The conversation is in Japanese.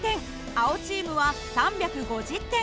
青チームは３５０点。